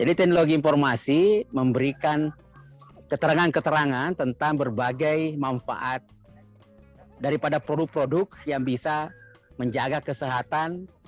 jadi teknologi informasi memberikan keterangan keterangan tentang berbagai manfaat daripada produk produk yang bisa menjaga kesehatan